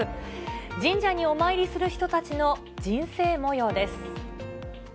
じんじゃにおまいりする人たちの人生もようです。